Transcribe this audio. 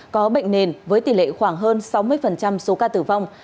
có bệnh nền với tỷ lệ khoảng hơn sáu mươi số ca tử vong